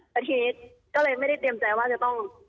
แล้วทีนี้ก็เลยไม่ได้เตรียมใจว่าจะต้อง